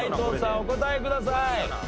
お答えください。